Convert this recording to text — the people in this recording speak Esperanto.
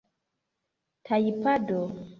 tajpado